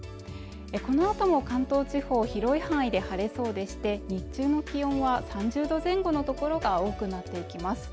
このあとも関東地方広い範囲で晴れそうでして日中の気温は３０度前後の所が多くなっていきます